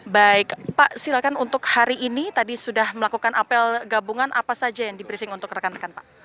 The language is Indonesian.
baik pak silakan untuk hari ini tadi sudah melakukan apel gabungan apa saja yang di briefing untuk rekan rekan pak